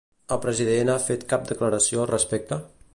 El president ha fet cap declaració al respecte?